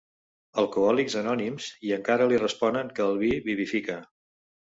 Alcohòlics Anònims i encara li responen que el vi vivifica».